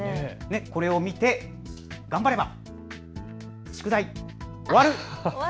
これを見て頑張れば、宿題、終わる。